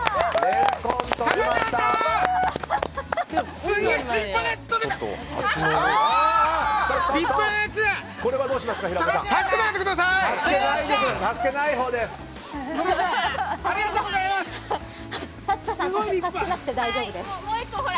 竜田さん助けなくて大丈夫です。